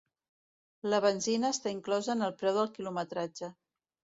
La benzina està inclosa en el preu del quilometratge.